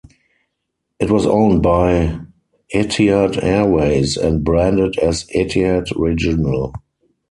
It was owned by Etihad Airways and branded as Etihad Regional.